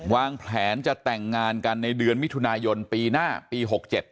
วางแผนจะแต่งงานกันในเดือนมิถุนายนปีหน้าปี๖๗